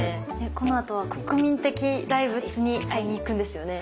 このあとは国民的大仏に会いに行くんですよね？